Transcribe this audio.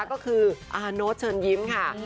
ก็คืออาโน๊ตเชิญยิ้มค่ะ